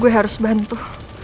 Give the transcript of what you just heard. gue harus bantu